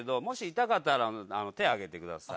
痛かったら手上げてください。